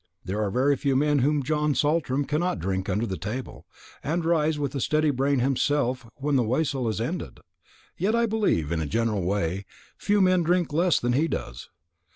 There are very few men whom John Saltram cannot drink under the table, and rise with a steady brain himself when the wassail is ended; yet I believe, in a general way, few men drink less than he does.